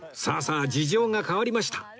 さあさあ事情が変わりました